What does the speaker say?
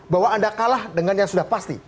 bahwa anda kalah dengan yang sudah pasti